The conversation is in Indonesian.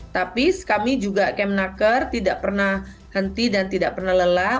tapi kami juga kemnaker tidak pernah henti dan tidak pernah lelah